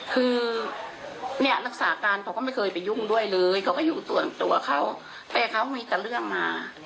คือเนี่ยรักษาการเขาก็ไม่เคยไปยุ่งด้วยเลยเขาก็อยู่ส่วนตัวเขาแต่เขามีแต่เรื่องมา